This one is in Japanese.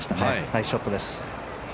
ナイスショットです。